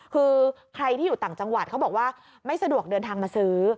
คือใครที่อยู่ต่างจังหวัดเขาบอกว่าไม่สะดวกเดินทางมาซื้อ